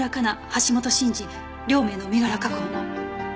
橋本慎二両名の身柄確保も。